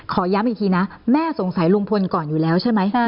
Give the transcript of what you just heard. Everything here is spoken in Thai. ย้ำอีกทีนะแม่สงสัยลุงพลก่อนอยู่แล้วใช่ไหม